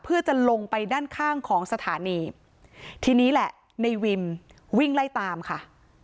เพื่อจะลงไปด้านข้างของสถานีทีนี้แหละในวิมวิ่งไล่ตามค่ะ